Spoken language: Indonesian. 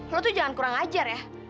lo tuh jangan kurang ajar ya